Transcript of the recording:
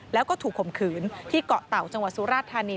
แล้วก็ถูกข่มขืนที่เกาะเต่าจังหวัดสุราชธานี